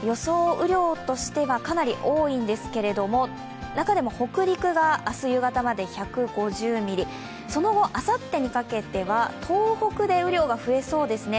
雨量としては、かなり多いですが中でも北陸が明日夕方までに１５０ミリ、その後、あさってにかけては東北で雨量が増えそうですね。